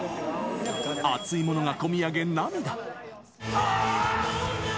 熱いものが込み上げ、涙。